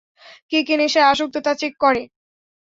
কে কে নেশায় আসক্ত তা চেক করে।